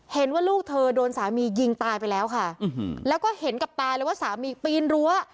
ลูกเธอโดนสามียิงตายไปแล้วค่ะแล้วก็เห็นกับตาเลยว่าสามีปีนรั้ว